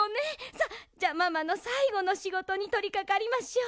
さあじゃママのさいごのしごとにとりかかりましょう。